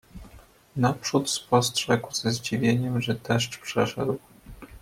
Naprzód spostrzegł ze zdziwieniem, że deszcz przeszedł.